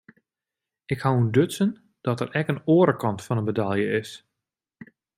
Ik haw ûntdutsen dat der ek in oare kant fan de medalje is.